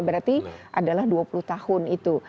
berarti adalah dua puluh tahun itu